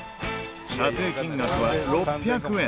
査定金額は６００円。